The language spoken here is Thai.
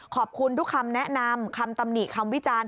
ขอบคุณทุกคำแนะนำคำตำหนิคำวิจารณ์